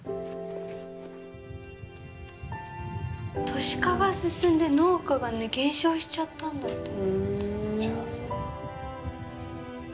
都市化が進んで農家がね減少しちゃったんだって。